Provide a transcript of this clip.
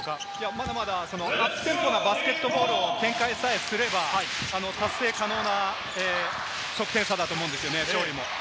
まだまだアップテンポなバスケットボールを展開さえすれば達成可能な得点差だと思います。